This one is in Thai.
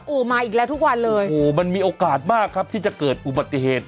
โอ้โหมาอีกแล้วทุกวันเลยโอ้โหมันมีโอกาสมากครับที่จะเกิดอุบัติเหตุ